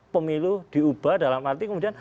pemilu diubah dalam arti kemudian